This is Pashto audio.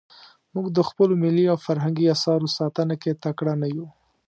موږ د خپلو ملي او فرهنګي اثارو ساتنه کې تکړه نه یو.